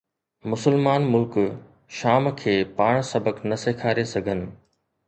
مسلمان ملڪ شام کي پاڻ سبق نه سيکاري سگهن